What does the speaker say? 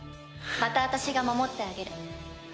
また私が守ってあげる。